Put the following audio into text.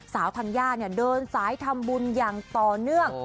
ธัญญาเดินสายทำบุญอย่างต่อเนื่อง